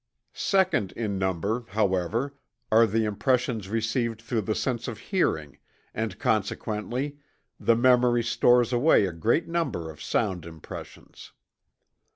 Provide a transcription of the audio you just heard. Second in number, however, are the impressions received through the sense of hearing, and consequently the memory stores away a great number of sound impressions.